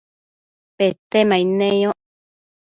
Petemaid neyoc